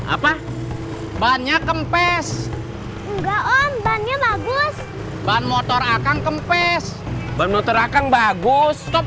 apa banyak kempes enggak om banyak bagus ban motor akan kempes ban motor akan bagus